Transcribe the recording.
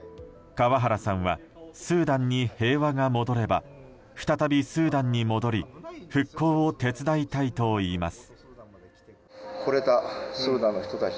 川原さんはスーダンに平和が戻れば再びスーダンに戻り復興を手伝いたいといいます。